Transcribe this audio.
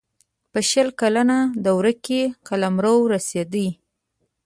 په شل کلنه دوره کې قلمرو رسېدی.